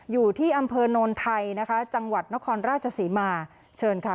อยู่ที่อำเภอโนนไทยนะคะจังหวัดนครราชศรีมาเชิญค่ะ